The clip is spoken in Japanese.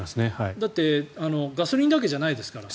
だってガソリンだけじゃないですから。